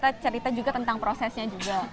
kita cerita juga tentang prosesnya juga